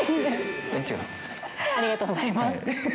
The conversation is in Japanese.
ありがとうございます。